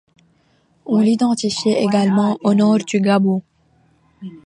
On l'identifiée également au nord du Gabon.